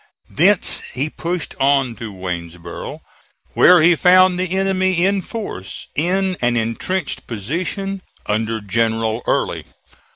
Thence he pushed on to Waynesboro', where he found the enemy in force in an intrenched position, under General Early.